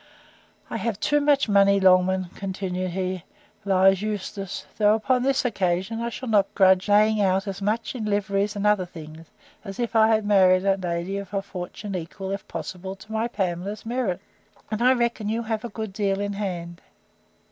I have too much money, Longman, continued he, lies useless; though, upon this occasion, I shall not grudge laying out as much in liveries and other things, as if I had married a lady of a fortune equal, if possible, to my Pamela's merit; and I reckon you have a good deal in hand.